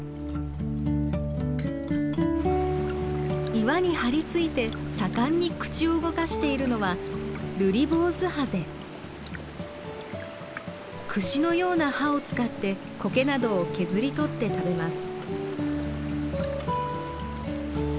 岩に張り付いて盛んに口を動かしているのは櫛のような歯を使ってコケなどを削り取って食べます。